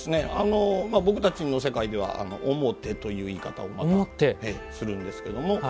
僕たちの世界では「おもて」という言い方をするんですけど。